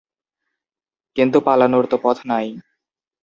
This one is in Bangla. কিন্তু পালানোর তো পথ নাই।